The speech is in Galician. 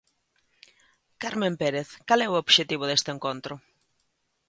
Carmen Pérez, cal é o obxectivo deste encontro?